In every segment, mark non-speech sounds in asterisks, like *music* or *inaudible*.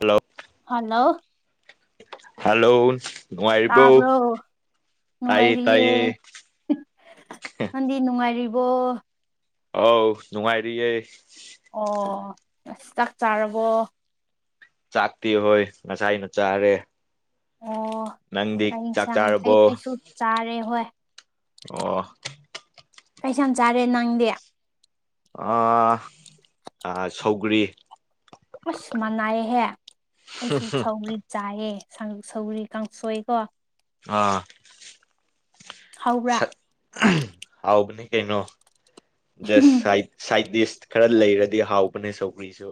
hello hello hello ꯅꯨꯡꯉꯥꯏꯔꯤꯕꯔꯤꯕꯣ ꯇꯥꯕ꯭ꯔꯣ ꯅꯨꯡꯉꯥꯏꯔꯤꯌꯦ ꯅꯪꯗꯤ ꯅꯨꯡꯉꯥꯏꯔꯤꯕꯣ ꯑꯥꯎ ꯅꯨꯡꯉꯥꯏꯔꯤꯌꯦ ꯑꯣ ꯉꯁ ꯆꯥꯛ ꯆꯥꯔꯕꯣ ꯆꯥꯛꯇꯤ ꯍꯣꯏ ꯉꯁꯥꯏ ꯑꯩꯅ ꯆꯥꯔꯦ ꯑꯣ ꯅꯪꯗꯤ ꯆꯥꯛ ꯀꯩꯁꯪ ꯑꯩ ꯆꯥꯔꯕꯣ ꯀꯁꯨ ꯆꯥꯔꯦ ꯍꯣꯏ ꯑꯣ ꯀꯩꯁ ꯌꯥꯝ ꯆꯥꯔꯦ ꯅꯪꯗꯤ ꯑ ꯑ ꯁꯧꯒ꯭ꯔꯤ ꯑꯁ ꯃꯅꯥꯏꯍꯦ ꯑꯩꯁꯨ ꯁꯧꯔꯤ ꯆꯥꯏꯑꯦ ꯁꯧꯔꯤ ꯀꯥꯡꯁꯣꯏꯀꯣ ꯑꯥ ꯍꯧꯕ꯭ꯔꯥ ꯍꯥꯎꯕꯅꯦ ꯀꯩꯅꯣ ꯖꯁ ꯁꯥꯏꯠ ꯈꯔ ꯂꯩꯔꯗꯤ ꯍꯥꯎꯕꯅꯦ ꯁꯧꯒ꯭ꯔꯤꯁꯨ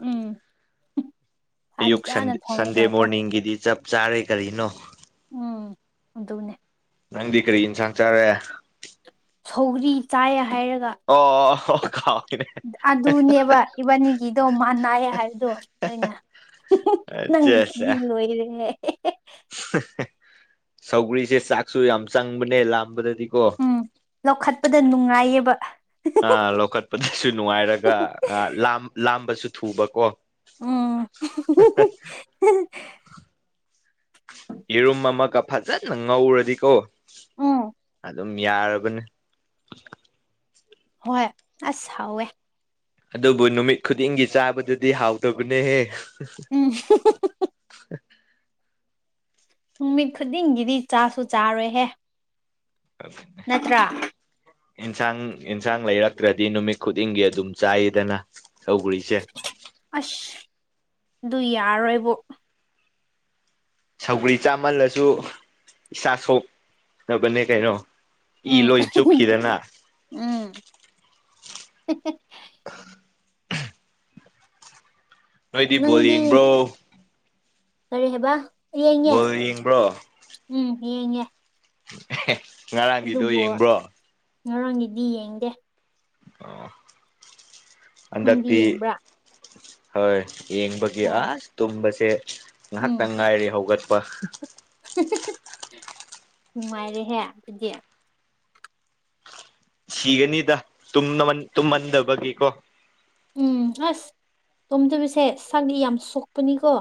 ꯎꯝ ꯑꯌꯨꯛ ꯐꯖꯅ ꯁꯟꯗꯦ ꯊꯣꯡꯉꯒ ꯀꯣ ꯃꯣꯔꯅꯤꯡꯒꯤꯗꯤ ꯆꯞ ꯆꯥꯔꯦ ꯀꯔꯤꯅꯣ ꯎꯝ ꯎꯗꯅꯦ ꯅꯪꯗꯤ ꯀꯔꯤ ꯌꯦꯟꯁꯥꯡ ꯆꯥꯔꯦ ꯁꯧꯔꯤ ꯆ ꯑꯣ ꯈꯥꯎ ꯑꯗꯨꯅꯦꯕ ꯏꯕꯥꯅꯤꯒꯤꯗꯣ ꯃꯥꯟꯅꯥꯑꯌꯦ ꯍꯥꯏꯕꯗꯣ ꯑꯩꯅ ꯑꯠꯆꯥ ꯑꯠꯆꯥ ꯅꯪꯁꯤꯗꯤꯜꯣ ꯏꯔꯦꯅꯦ ꯁꯧꯒ꯭ꯔꯤꯁꯦ ꯆꯥꯛꯁꯨ ꯌꯥꯝ ꯆꯪꯕꯅꯦ ꯂꯥꯝꯕꯗꯗꯤ ꯎꯝ ꯂꯧꯈꯠꯄꯗ ꯅꯨꯡꯉꯥꯏꯌꯦꯕ ꯑ ꯂꯧꯈꯠꯄꯗꯁꯨ ꯅꯨꯡꯉꯥꯏꯔꯒ ꯑ ꯂꯥꯝꯕꯁꯨ ꯊꯨꯕꯀꯣ *inaudible* ꯎꯝ *unintelligible* ꯌꯦꯔꯨꯝ ꯑꯃꯒ ꯐꯖꯅ ꯉꯧꯔꯗꯤꯀꯣ ꯎꯝ ꯑꯗꯨꯝ ꯌꯥꯔꯕꯅꯦ ꯍꯣꯏ ꯑꯁꯥꯎꯋꯦ ꯑꯗꯨꯕꯨ ꯅꯨꯃꯤꯠ ꯈꯨꯗꯤꯡꯒꯤ ꯆꯥꯕꯗꯗꯤ ꯍꯥꯎꯇꯕꯅꯦꯍꯦ ꯎꯝ ꯅꯨꯃꯤꯠ ꯈꯨꯗꯤꯡꯒꯤꯗꯤ ꯆꯥꯁꯨ ꯆꯥꯔꯣꯏꯍꯦ ꯅꯠꯇ꯭ꯔꯥ ꯏꯟꯁꯥꯡ ꯏꯟꯁꯥꯡ ꯂꯩꯔꯛꯇ꯭ꯔꯗꯤ ꯅꯨꯃꯤꯠ ꯈꯨꯗꯤꯡꯒꯤ ꯑꯗꯨꯝ ꯆꯥꯏꯗꯅ ꯁꯒ꯭ꯔꯤꯁꯦ ꯑꯁ ꯑꯗꯨ ꯌꯥꯔꯣꯏꯕꯣ ꯁꯧꯒ꯭ꯔꯤ ꯆꯥꯃꯜꯂꯁꯨ ꯏꯁꯥ ꯁꯣꯛꯅꯕꯅꯦ ꯀꯩꯅꯣ ꯏ ꯎꯝ ꯂꯣꯏ ꯆꯨꯞꯈꯤꯗꯅ ꯎꯝ *inaudible* ꯅꯣꯏꯗꯤ ꯕꯣꯜ ꯅꯪꯗꯤ ꯌꯦꯡꯕ꯭ꯔꯣ ꯀꯔꯤ ꯍꯦꯕ ꯕꫭꯜ ꯌꯦꯡꯕ꯭ꯔꯣ ꯌꯦꯡꯉꯦ ꯉꯔꯥꯡꯒꯤꯗꯣ ꯑꯗꯨꯕꯨ ꯌꯦꯡꯕ꯭ꯔꯣ ꯉꯔꯥꯡꯒꯤꯗꯤ ꯌꯦꯡꯗꯦ ꯑꫭ ꯅꯪꯗꯤ ꯌꯦꯡꯕ꯭ꯔꯥ ꯍꯣꯏ ꯌꯦꯡꯕꯒꯤ ꯑꯣ ꯑꯁ ꯇꯨꯝꯕꯁꯦ ꯎꯝ ꯉꯥꯏꯍꯥꯛꯇꯪ ꯉꯥꯏꯔꯤ ꯍꯧꯒꯠ ꯄꯥ ꯅꯨꯡꯉꯥꯏꯔꯦꯍꯦ ꯑꯗꯨꯗꯤ ꯁꯤꯒꯅꯤꯗ ꯇꯨꯝꯅꯃꯟ ꯇꯨꯝꯃꯟꯗꯕꯒꯤꯀꯣ ꯎꯝ ꯑꯁ ꯇꯨꯝꯗꯕꯤꯁꯦ ꯁꯛꯂꯤ ꯌꯥꯝ ꯁꯣꯛꯄꯅꯤꯀꯣ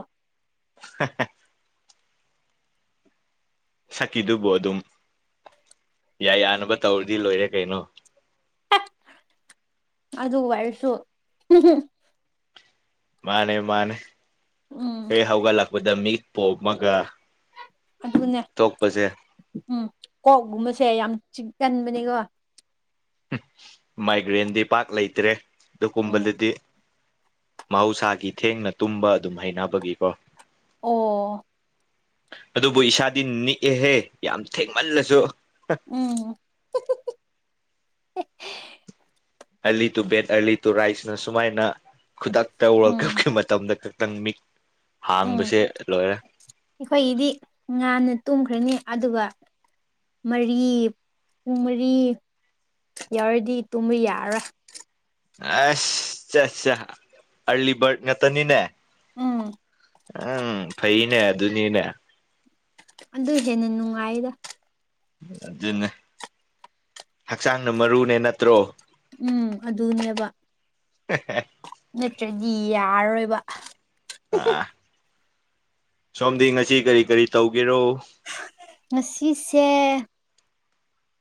*inaudible* ꯁꯛꯀꯤꯗꯨꯕꯣ ꯑꯗꯨꯝ ꯌꯥꯏ ꯌꯥꯅꯕ ꯇꯧꯔꯗꯤ ꯂꯣꯏꯔꯦ ꯀꯩꯅꯣ ꯑꯗꯨ ꯑꯣꯏꯔꯁꯨ ꯃꯥꯅꯦ ꯃꯥꯅꯦ ꯎꯝ ꯍꯦ ꯍꯧꯒꯠꯂꯛꯄꯗ ꯃꯤ ꯄꯣꯠꯝꯃꯒ ꯑꯗꯨꯅꯦ ꯎꯝ ꯀꯣꯛꯒꯨꯝꯕꯁꯦ ꯌꯥꯝ ꯆꯤ ꯀꯟꯕꯅꯦꯀꯣ ꯃꯥꯏꯒ꯭ꯔꯦꯟꯗꯤ ꯄꯥꯛ ꯂꯩꯇ꯭ꯔꯦ ꯑꯗꯨ ꯎꯝ ꯀꯨꯝꯕꯗꯗꯤ ꯃꯍꯧꯁꯥꯒꯤ ꯊꯦꯡꯅ ꯇꯨꯝꯕ ꯑꯗꯨꯝ ꯍꯩꯅꯕꯒꯤꯀꯣ ꯑꯣ ꯑꯗꯨꯕꯨ ꯏꯁꯥꯗꯤ ꯅꯤꯛꯑꯦꯍꯦ ꯌꯥꯝ ꯊꯦꯡꯃꯜꯂꯁꯨ ꯎꯝ early to bed early to ꯔꯥꯏꯁꯅ ꯁꯨꯃꯥꯏꯅ ꯈꯨꯗꯛꯇ ꯋꯥꯔꯜ ꯎꯝ ꯀꯞꯀꯤ ꯃꯇꯝꯗ ꯇꯪꯃꯤ ꯎꯝ ꯑꯩꯈꯣꯏꯒꯤꯗꯤ ꯉꯥꯟꯅ ꯇꯨꯝꯈ꯭ꯔꯅꯤ ꯑꯗꯨꯒ ꯃꯔꯤ ꯄꯨꯡ ꯃꯔꯤ ꯌꯥꯎꯔꯗꯤ ꯇꯨꯝꯕ ꯌꯥꯔꯥ ꯑꯁ ꯆꯥ ꯆꯥ ꯑꯔꯂꯤ ꯕꯔꯠ ꯉꯥꯛꯇꯅꯤꯅꯦ ꯎꯝ ꯎꯝ ꯐꯩꯅꯦ ꯑꯗꯨꯅꯤꯅꯦ ꯑꯗꯨ ꯍꯦꯟꯅ ꯅꯨꯡꯉꯥꯏꯔꯦ ꯑꯗꯨꯅꯦ ꯍꯛꯆꯥꯡꯅ ꯃꯔꯨꯅꯦ ꯅꯠꯇ꯭ꯔꯣ ꯎꯝ ꯑꯗꯨꯅꯦꯕ ꯅꯠꯇ꯭ꯔꯗꯤ ꯌꯥꯔꯔꯣꯏ ꯕ ꯑꯥ ꯁꯣꯝꯗꯤ ꯉꯁꯤ ꯀꯔꯤ ꯀꯔꯤ ꯇꯧꯒꯦꯔꯣ ꯉꯁꯤꯁꯦ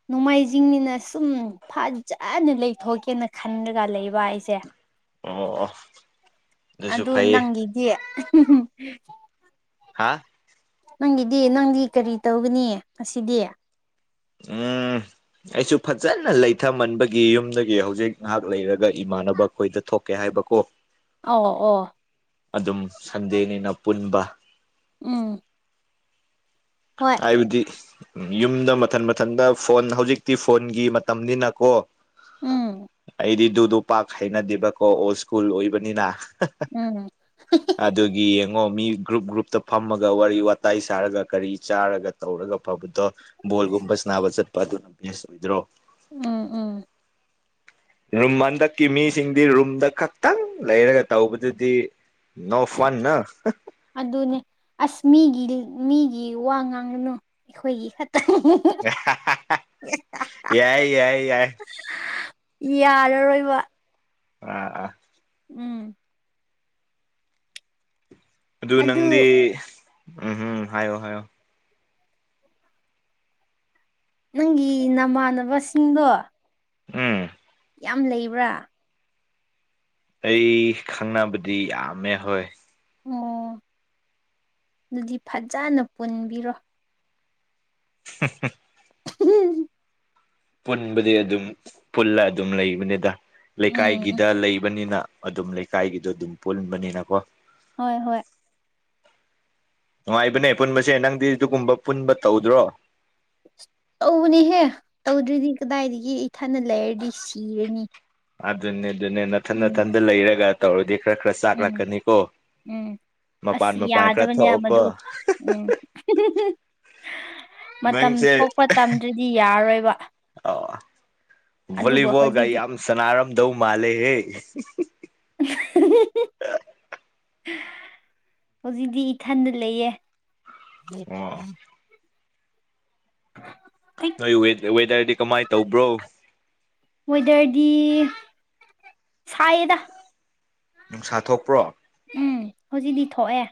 ꯅꯣꯡꯃꯥꯏꯖꯤꯡꯅꯤꯅ ꯁꯨꯝ ꯐꯖꯅ ꯂꯩꯊꯣꯛꯀꯦꯅ ꯈꯟꯂꯒ ꯂꯩꯕ ꯑꯩꯁꯦ ꯑꯣ ꯑꯗꯨꯁꯨ ꯑꯗꯨ ꯐꯩꯌꯦ ꯅꯪꯒꯤꯗꯤ ꯍꯥꯥ ꯅꯪꯒꯤꯗꯤ ꯅꯪꯗꯤ ꯀꯔꯤ ꯇꯧꯒꯅꯤ ꯉꯁꯤꯗꯤ ꯎꯝ ꯑꯩꯁꯨ ꯐꯖꯅ ꯂꯩꯊꯃꯟꯕꯒꯤ ꯌꯨꯝꯗꯒꯤ ꯍꯧꯖꯤꯛ ꯉꯥꯏꯍꯥꯛ ꯂꯩꯔꯒ ꯏꯃꯥꯟꯅꯕ ꯑꯩꯈꯣꯏꯗ ꯊꯣꯛꯀꯦ ꯍꯥꯏꯕꯀꯣ ꯑ ꯑꯣ ꯑꯗꯨꯝ ꯁꯟꯗꯦꯅꯤꯅ ꯄꯨꯟꯕ ꯎꯝ ꯍꯣꯏ ꯍꯥꯏꯕꯗꯤ ꯌꯨꯝꯗ ꯃꯊꯟ ꯃꯊꯟꯗ ꯐꯣꯟ ꯍꯧꯖꯤꯛꯇꯤ ꯐꯣꯟꯒꯤ ꯃꯇꯝꯅꯤꯅꯀꯣ ꯎꯝ ꯑꯗꯨꯗꯣ ꯄꯥꯛ ꯍꯩꯅꯗꯦꯕꯀꯣ ꯑꯣꯜ ꯁ꯭ꯀꯨꯜ ꯑꯣꯏꯕꯅꯤꯅ ꯎꯝ ꯈꯉꯣ ꯃꯤ ꯒ꯭ꯔꯨꯞ ꯒ꯭ꯔꯨꯞꯇ ꯐꯝꯃꯒ ꯋꯥꯔꯤ ꯋꯥꯇꯥꯏ ꯁꯥꯔꯒ ꯀꯔꯤ ꯆꯥꯔꯒ ꯇꯧꯔꯒ ꯐꯕꯗꯣ ꯕꯣꯜꯒꯨꯝꯕ ꯅꯥꯕ ꯆꯠꯄ ꯑꯗꯨꯅ ꯕꯦꯁ ꯑꯣꯏꯗ꯭ꯔꯣ ꯎꯝ ꯎꯝ ꯔꯨꯝ ꯍꯟꯗꯛꯀꯤ ꯃꯤꯁꯤꯡꯗꯤ ꯔꯨꯝꯗ ꯈꯛꯇꯪ ꯂꯩꯔꯒ ꯇꯧꯕꯗꯨꯗꯤ ꯅꯣ ꯐꯟ ꯅ ꯑꯁꯃꯤꯒꯤ ꯃꯤꯒꯤ ꯋꯥ ꯉꯥꯡꯉꯅꯨ ꯑꯩꯈꯣꯏꯒꯤ ꯍ ꯌꯥꯏ ꯌꯥꯏ ꯌꯥꯏ ꯌꯥꯔꯔꯣꯏꯕ ꯑꯥ ꯑꯥ ꯎꯝ ꯑꯗꯨ ꯅꯪꯗꯤ ꯎꯝ ꯎꯝ ꯍꯥꯏꯌꯣ ꯍꯥꯏꯌꯣ ꯅꯪꯒꯤ ꯅꯃꯥꯟꯅꯕꯁꯤꯡꯗꯣ ꯎꯝ ꯌꯥꯝ ꯂꯩꯕ꯭ꯔꯥ ꯑꯩ ꯈꯪꯅꯕꯗꯤ ꯌꯥꯝꯃꯦ ꯍꯣꯏ ꯑꯣ ꯑꯗꯨꯗꯤ ꯐꯖꯅ ꯄꯨꯟꯕꯤꯔꯣ *inaudible* ꯎꯝ ꯄꯨꯟꯕꯗꯤ ꯑꯗꯨꯝ ꯄꯨꯜꯂ ꯑꯗꯨꯝ ꯂꯩꯕꯅꯤꯗ ꯎꯝ ꯂꯩꯀꯥꯏꯒꯤꯗ ꯂꯩꯕꯅꯤꯅ ꯑꯗꯨꯝ ꯂꯩꯀꯥꯏꯒꯤꯗꯣ ꯑꯗꯨꯝ ꯄꯨꯟꯕꯅꯤꯅꯀꯣ ꯍꯣꯏ ꯍꯣꯏ ꯅꯨꯡꯉꯥꯏꯕꯅꯦ ꯄꯨꯟꯕꯁꯦ ꯅꯪꯗꯤ ꯑꯗꯨꯒꯨꯝꯕ ꯄꯨꯟꯕ ꯇꯧꯗ꯭ꯔꯣ ꯇꯧꯕꯅꯦꯍꯦ ꯇꯧꯗ꯭꯭ꯔꯔꯤꯗꯤ ꯀꯗꯥꯏꯗꯒꯤ ꯏꯊꯅ ꯂꯩꯔꯗꯤ ꯁꯤꯔꯅꯤ ꯑꯗꯨꯅꯦ ꯑꯗꯨꯅꯦ ꯅꯥꯊꯟ ꯎꯝ ꯅꯥꯊꯟꯗ ꯂꯩꯔꯒ ꯇꯧꯔꯗꯤ ꯈꯔ ꯈꯔ ꯆꯥꯛ ꯎꯝ ꯂꯥꯛꯀꯅꯤꯀꯣ ꯎꯝ ꯑꯁ ꯌꯥꯗꯕꯅꯦ ꯃꯗꯨ ꯎꯝ ꯃꯇꯝ ꯅꯪꯁꯦ ꯊꯣꯛꯄ ꯇꯝꯗ꯭꯭ꯔꯗꯤ ꯌꯥꯔꯣꯏꯕ ꯑꯗꯨꯕꯨ ꯣꯂꯤꯕꯜ ꯀ ꯍꯧꯖꯤꯛꯇꯤ ꯌꯥꯝ ꯑꯃ ꯁꯅꯥꯔꯝ ꯗꯧ ꯃꯥꯂꯦ ꯍꯦ *unintelligible* ꯍꯧꯖꯤꯛꯇꯤ ꯏꯊꯟꯗ ꯂꯩꯌꯦ ꯑꯣ ꯑꯩ ꯅꯣꯏ ꯋꯦꯗꯔꯗꯤ ꯀꯃꯥꯏꯅ ꯇꯧꯕ꯭ꯔꯣ ꯋꯦꯗꯔꯗꯤ ꯁꯥꯏꯌꯦꯗ ꯅꯨꯡꯁꯥ ꯊꯣꯛꯄ꯭ꯔꯣ ꯎꯝ ꯍꯧꯖꯤꯛꯇꯤ ꯊꯣꯛꯑꯦ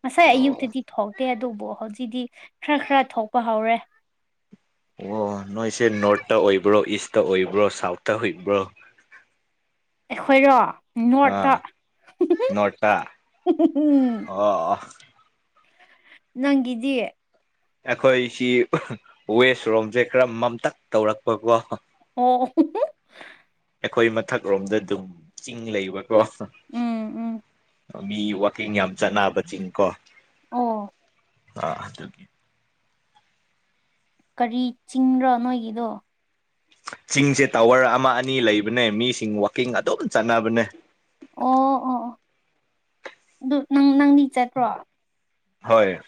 ꯉꯁꯥꯏ ꯑꯣ ꯑꯌꯨꯛꯇꯗꯤ ꯊꯣꯛꯇꯦ ꯑꯗꯨꯝ ꯣ ꯍꯧꯖꯤꯛꯇꯗꯤ ꯈꯔ ꯈꯔ ꯊꯣꯛꯄ ꯍꯧꯔꯦ ꯑꯣ ꯅꯣꯏꯁꯦ ꯅꯣꯔꯠꯇ ꯑꯣꯏꯕ꯭ꯔꯣ ꯏꯁꯇ ꯑꯣꯏꯕ꯭ꯔꯣ ꯁꯥꯎꯠꯇ ꯍꯏꯕ꯭ꯔꯣ ꯑꯦꯈꯣꯏꯔꯣ ꯑꯥ ꯅꯣꯇꯝ ꯅꯣꯔꯠꯇ ꯑꯣ ꯅꯪꯒꯤꯗꯤꯌꯦꯦ ꯑꯩꯈꯣꯏꯁꯤ ꯋꯦꯁ ꯔꯣꯝꯁꯦ ꯈꯔ ꯃꯝꯇꯛ ꯇꯧꯔꯛꯄꯀꯣ ꯑꯣ ꯑꯩꯈꯣꯏ ꯃꯊꯛꯔꯣꯝꯗ ꯑꯗꯨꯝ ꯆꯤꯡ ꯂꯩꯕꯀꯣ ꯎꯝ ꯎꯝ ꯃꯤ ꯆꯤꯡ ꯌꯥꯝ ꯆꯠꯅꯕ ꯆꯤꯡ ꯀꯣ ꯑꯣ ꯑꯥ ꯑꯗꯨꯒꯤ ꯀꯔꯤ ꯆꯤꯡꯕꯣ ꯅꯣꯏꯒꯤꯗꯣ ꯆꯤꯡꯁꯦ ꯇꯥꯋꯔ ꯑꯃ ꯑꯅꯤ ꯂꯩꯕꯅꯦ ꯃꯤꯁꯤꯡ ꯋꯥꯛꯀꯤꯡ ꯑꯗꯨꯝ ꯆꯠꯅꯕꯅꯦ ꯑꯣ ꯑꯣ ꯑꯣ ꯑꯗꯨ ꯅꯪ ꯅꯪꯗꯤ ꯆꯠꯇ꯭ꯔꯣ ꯍꯣꯏ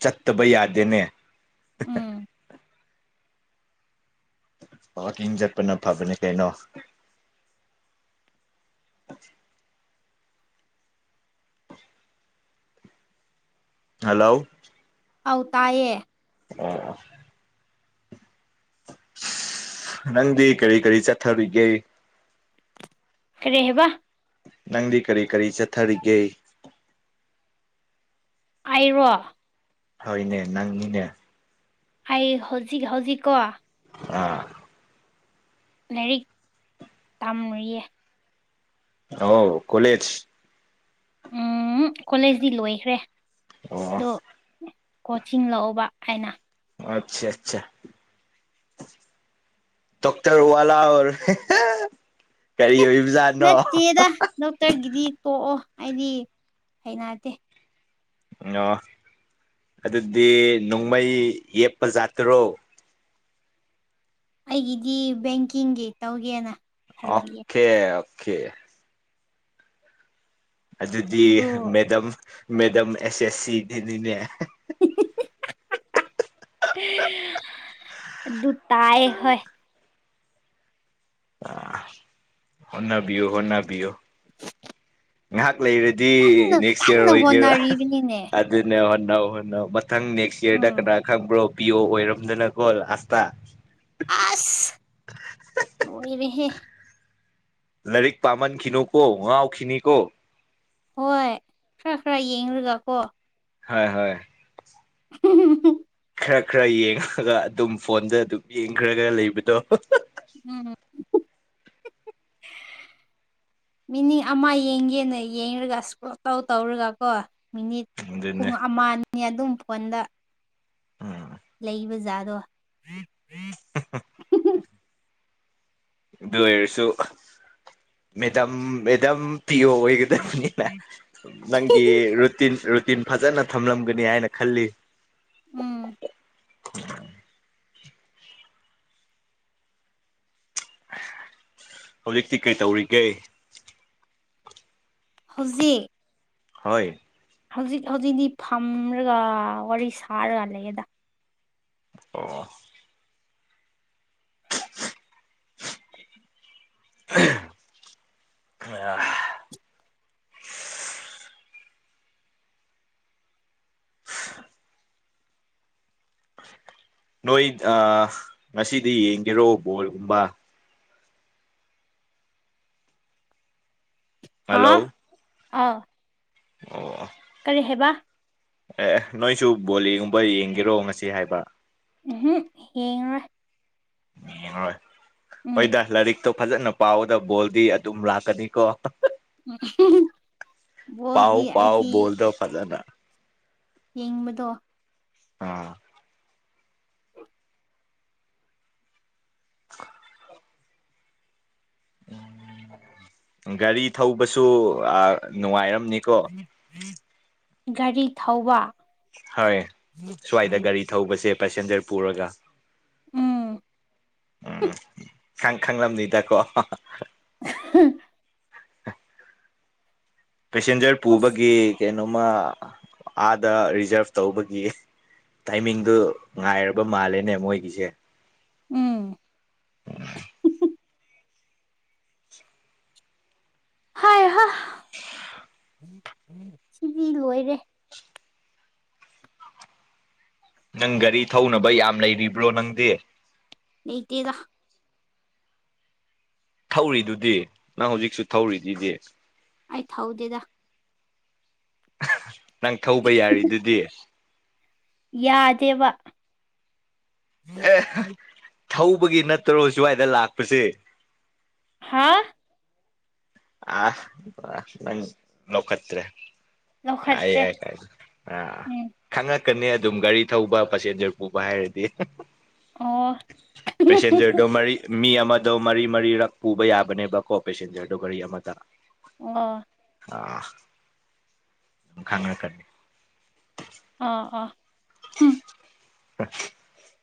ꯆꯠꯇꯕꯩ ꯌꯥꯗꯦꯅꯦ ꯎꯝ ꯋꯥꯀꯤꯡ ꯆꯠꯄꯅ ꯐꯕꯅꯦ ꯀꯩꯅꯣ *inaudible* ꯍꯜꯂꯣ ꯑ ꯇꯌꯦ ꯑ ꯅꯪꯗꯤ ꯀꯔꯤ ꯀꯔꯤ ꯆꯠꯊꯔꯤꯒꯦ ꯀꯔꯤꯦꯍꯕ ꯅꯪꯗꯤ ꯀꯔꯤ ꯀꯔꯤ ꯆꯠꯊꯔꯤꯒꯦ ꯑꯔꯣ ꯍꯣꯏꯅꯦ ꯅꯪꯅꯤꯅꯦ ꯑꯩ ꯍꯧꯖꯤꯛ ꯍꯧꯖꯤꯛ ꯀꯣ ꯑꯥ ꯂꯥꯏꯔꯤꯛ ꯇꯝꯔꯨꯌꯦ ꯑꯥꯎ ꯀꯣꯂꯦꯖ ꯎꯝ ꯀꯣꯂꯦꯖꯇꯤ ꯂꯣꯏꯈ꯭ꯔꯦ ꯑꯣ ꯑꯗꯣ ꯀꯣꯆꯤꯡ ꯂꯎꯧꯕ ꯍꯥꯏꯅ ꯑꯆꯥ ꯑꯆꯥ ꯇꯣꯛ ꯇꯔ ꯋꯥꯂꯥ ꯀꯔꯤ ꯑꯣꯏꯕꯖꯥꯠꯅꯣ ꯅꯠꯇꯦꯗ ꯗꯣꯛꯇꯔꯒꯤꯗꯤ ꯇꯣꯛꯑꯣ ꯑꯩꯗꯤ ꯍꯩꯅꯗꯦ ꯑ ꯑꯗꯨꯗꯤ ꯅꯣꯡꯃꯩ ꯌꯦꯞꯄꯖꯠꯇ꯭ꯔꯣ ꯑꯩꯒꯤꯗꯤ ꯕꯦꯡꯀꯤꯡꯒꯤ ꯇꯧꯒꯦꯅ ꯈꯜꯂꯤꯌꯦ ꯑꯣꯀꯦ ꯑꯣꯀꯦ ꯑꯗꯨꯗꯤ ꯑꯗꯨ ꯃꯦꯗꯝ ꯃꯦꯗꯝ ꯑꯦꯁ ꯑꯦꯁ ꯁꯤꯗꯤꯅꯤꯅꯦ ꯍꯍ ꯍꯥꯍꯥꯍꯥ ꯑꯗꯨ ꯇꯥꯏ ꯍ ꯑ ꯑꯣꯟꯅꯕꯤꯌꯣ ꯍꯅꯕꯤꯌꯣ ꯉꯥꯏꯍꯥꯛ ꯂꯩꯔꯗꯤ ꯀꯟꯅ ꯅꯦꯛꯁ ꯏꯌꯥꯔ ꯀꯟꯅ ꯑꯣꯏꯒꯦꯔꯥ ꯍꯣꯠꯅꯔꯤꯕꯅꯤꯅꯦ ꯑꯗꯨꯅꯦ ꯍꯣꯠꯟꯅꯧ ꯍꯣꯟꯅꯧ ꯃꯊꯪ ꯅꯦꯛꯁ ꯌꯔꯗ ꯎꯝ ꯀꯅꯥ ꯈꯪꯕ꯭ꯔꯣ ꯄꯤꯌꯣ ꯑꯣꯏꯔꯝꯗꯅꯀꯣ ꯑꯁꯇꯥ ꯑꯁ ꯑꯣꯏꯣꯏꯔꯤꯕꯍꯦ ꯂꯥꯏꯔꯤꯛ ꯄꯥꯃꯟ ꯈꯈꯤꯅꯨ ꯀꯣ ꯉꯥꯎ ꯈꯈꯤꯅꯤ ꯀꯣ ꯍꯣꯏ ꯈꯔ ꯈꯔ ꯌꯦꯡꯂꯡꯨꯔꯒ ꯀꯣ ꯍꯣꯏ ꯍꯣꯏ ꯑꯍꯍꯍ ꯈꯔ ꯈꯔ ꯌꯦꯡꯉꯒ ꯑꯗꯨꯝ ꯐꯣꯟꯗ ꯑꯗꯨꯝ ꯌꯦꯡꯈ꯭ꯔꯒ ꯂꯩꯕꯗꯣ ꯍꯍꯍꯥ ꯃꯤꯅꯤ ꯑꯃ ꯌꯦꯡꯒꯦꯅ ꯌꯦꯡꯔꯒ ꯄꯨꯡ ꯇꯧ ꯇꯧꯔꯒ ꯀꯣ ꯃꯤꯅꯤꯠ ꯑꯗꯨꯅꯦ ꯄꯨꯡ ꯑꯃ ꯑꯅꯤ ꯑꯗꯨꯝ ꯐꯣꯟꯗ ꯑꯝ ꯖꯗꯣ ꯑꯗꯨ ꯑꯣꯏꯔꯁꯨ ꯃꯦꯗꯥꯝ ꯃꯦꯗꯥꯝ ꯄꯤꯌ ꯑꯣꯏꯒꯗꯕꯅꯤꯅ ꯅꯪꯒꯤ ꯔꯨꯇꯤꯟ ꯇꯤꯟ ꯐꯖꯅ ꯊꯝꯂꯝꯒꯅꯤ ꯍꯥꯏꯅ ꯈꯜꯂꯤ ꯎꯝ *unintelligible* ꯍꯧꯖꯤꯛꯇꯤ ꯀꯩ ꯇꯧꯔꯤꯒꯦ ꯍꯧꯖꯤꯛ ꯍꯣꯏ ꯍꯧꯖꯤꯛ ꯍꯧꯖꯤꯛꯇꯤ ꯐꯝꯔꯒ ꯋꯥꯔꯤ ꯁꯥꯔꯒ ꯂꯩꯌꯦꯗ ꯑꯣ ꯑ ꯅꯣꯏ ꯉꯁꯤꯗꯤ ꯌꯦꯡꯒꯦꯔꯣ ꯕꯣꯜꯒꯨꯝꯕ ꯍꯜꯂꯣ ꯑꯥ ꯑꯣ ꯀꯔꯤ ꯍꯥꯏꯕ ꯑꯦ ꯅꯣꯏꯁꯨ ꯕꯣꯜꯒꯨꯝꯕ ꯌꯦꯡꯒꯦꯔꯣ ꯉꯁꯤ ꯍꯥꯏꯕ ꯎꯝꯍꯨꯝ ꯌꯦꯡꯑꯣꯏ ꯌꯦꯟꯒꯔꯣꯏ ꯍꯣꯏꯗꯥꯥ ꯂꯥꯏꯔꯤꯛ ꯇꯣ ꯐꯖꯅ ꯄꯥꯎꯗ ꯕꯣꯜꯗꯤ ꯑꯗꯨꯝ ꯂꯥꯛꯀꯅꯤꯀꯣ ꯄꯎ ꯕꯣꯜꯗꯤ ꯄꯎ ꯑꯩꯗꯤ ꯕꯣꯜꯗꯣ ꯐꯖꯅ ꯌꯦꯡꯕꯗꯣ ꯑꯥ ꯒꯥꯔꯤ ꯊꯧꯕꯁꯨ ꯅꯨꯡꯉꯥꯏꯔꯝ ꯅꯤꯀꯣ ꯒꯥꯔꯤ ꯊꯧꯕ ꯍꯣꯏ ꯁ꯭ꯋꯥꯏꯗ ꯒꯥꯔꯤ ꯊꯧꯕꯁꯦ ꯄꯦꯁꯦꯟꯖꯔ ꯄꯨꯔꯒ ꯎꯝ ꯎꯝ ꯈꯪ ꯈꯪꯂꯝ ꯅꯤꯗꯀꯣ *unintelligible* ꯄꯦꯁꯦꯟꯖꯔ ꯑꯁ ꯄꯨꯕꯒꯤ ꯀꯩꯅꯣꯃ ꯑꯥꯗ ꯔꯤꯖꯥꯔꯚ ꯇꯧꯕꯒꯤ ꯇꯥꯏꯃꯤꯡꯗꯨ ꯉꯥꯏꯔꯕ ꯃꯥꯜꯂꯦꯅꯦ ꯃꯣꯏꯒꯤꯁꯦ ꯎꯝ ꯎ ꯍꯩ ꯍꯥ *unintelligible* ꯁꯤꯗꯤ ꯂꯣꯏꯔꯦ ꯅꯪ ꯒꯥꯔꯤ ꯊꯧꯅꯕ ꯌꯥꯝ ꯂꯩꯔꯤꯕ꯭ꯔꯣ ꯅꯪꯗꯤ ꯂꯩꯇꯦꯗ ꯊꯧꯔꯤꯗꯨꯗꯤ ꯅꯪ ꯍꯧꯖꯤꯛꯁꯨ ꯊꯧꯔꯤꯗꯨꯗꯤ ꯑꯩ ꯊꯧꯗꯦꯗꯥ ꯅꯪ ꯊꯧꯕ ꯌꯥꯔꯤꯗꯨꯗꯤ ꯌꯥꯗꯦꯕꯥ ꯑꯦ ꯊꯧꯕꯒꯤ ꯅꯠꯇꯔꯣ ꯁ꯭ꯋꯥꯏꯗ ꯂꯥꯛꯄꯁꯦ ꯍꯥ ꯑ ꯂ ꯂꯧꯈꯇ꯭ꯔꯦ ꯑꯩ ꯂꯧꯈꯠꯇ꯭ꯔꯦ ꯑ ꯑ ꯎꯝ ꯈꯪꯉꯟ ꯀꯅꯤ ꯑꯗꯨꯝ ꯒꯥꯔꯤ ꯊꯧꯕ ꯄꯁꯦꯟꯖꯔ ꯄꯨꯕ ꯍꯥꯏꯔꯗꯤ ꯑꯣ ꯄꯦꯁꯦꯟꯖꯔꯗꯣ ꯃꯔꯤ ꯃꯤ ꯑꯃꯗꯣ ꯃꯔꯤ ꯃꯔꯤꯔꯛ ꯄꯨꯕ ꯌꯥꯕꯅꯦꯕꯀꯣ ꯄꯦꯁꯦꯟꯖꯔꯗꯣ ꯒꯥꯔꯤ ꯑꯃꯗ ꯑ ꯑ ꯈꯪꯔꯛ ꯀꯅꯤ ꯑꯣ ꯑꯣ ꯎꯝ *unintelligible*